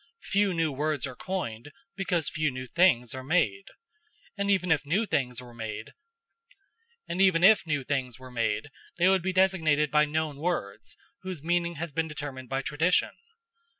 Few new words are coined, because few new things are made; and even if new things were made, they would be designated by known words, whose meaning has been determined by tradition.